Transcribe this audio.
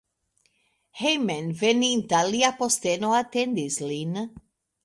Hejmenveninta lia posteno atendis lin.